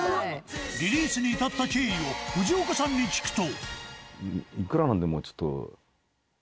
リリースに至った経緯を藤岡さんに聞くと。